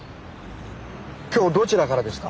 今日はどちらからですか？